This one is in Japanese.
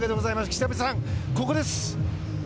北島さん、ここです！